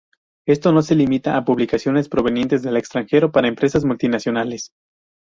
Esto no se limita a publicidades provenientes del extranjero para empresas multinacionales.